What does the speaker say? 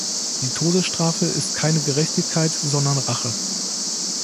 Die Todesstrafe ist keine Gerechtigkeit, sondern Rache!